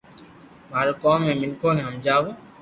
مارو ڪوم ھي مينکون ني ھمجاو